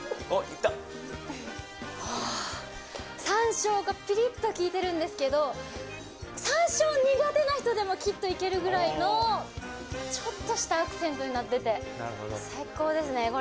山椒がピリッと利いてるんですけど山椒苦手な人でもきっといけるぐらいのちょっとしたアクセントになってて最高ですね